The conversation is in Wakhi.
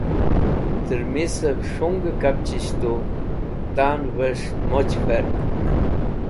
Tẽr misẽv s̃hunge kapchisht tu tanvẽs̃h moch ferd.